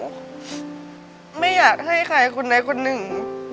ผมไม่อยากให้ใครคุณใดคนนึง